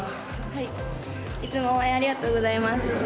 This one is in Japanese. はい、いつも応援ありがとうございます。